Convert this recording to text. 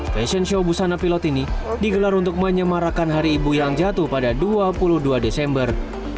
fashion show busana pilot ini digelar untuk menyemarakan hari ibu yang jatuh pada dua puluh dua desember